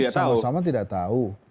sama sama tidak tahu